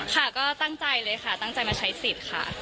ค่ะก็ตั้งใจเลยค่ะตั้งใจมาใช้สิทธิ์ค่ะ